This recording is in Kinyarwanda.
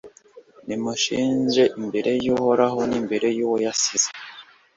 nimunshinje imbere y'uhoraho n'imbere y'uwo yasize